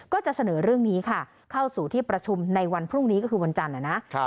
ก็จะเสนอเรื่องนี้ค่ะเข้าสู่ที่ประชุมในวันพรุ่งนี้ก็คือวันจันทร์นะครับ